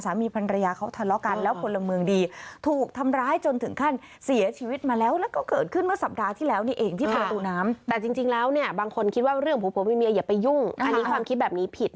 สามีภรรยาเขาทะเลาะกันแล้วผลเมืองดี